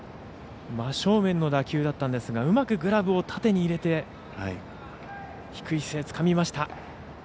真正面の打球だったんですがうまくグラブを縦に入れて低い姿勢でつかみました。